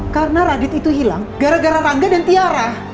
karena radit itu hilang gara gara rangga dan tiara